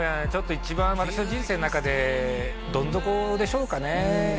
ちょっと一番私の人生のなかでどん底でしょうかね